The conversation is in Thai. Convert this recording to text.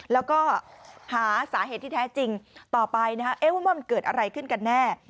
แล้วก็หาสาเหตุที่แท้จริงต่อไปว่ามันเกิดอะไรขึ้นกันแน่